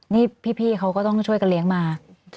นี่พี่เขาก็ต้องช่วยกันเลี้ยงมา